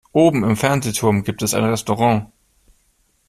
Oben im Fernsehturm gibt es ein Restaurant.